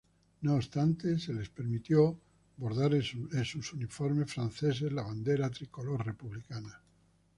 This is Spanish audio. No obstante, se les permitió bordar en sus uniformes franceses la bandera tricolor republicana.